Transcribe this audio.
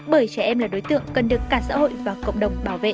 bởi trẻ em là đối tượng cần được cả xã hội và cộng đồng bảo vệ